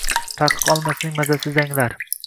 Taqiq olmasining mazasi zanglar